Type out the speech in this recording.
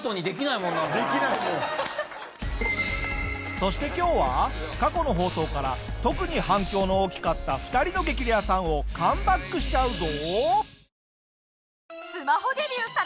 そして今日は過去の放送から特に反響の大きかった２人の激レアさんをカムバックしちゃうぞ！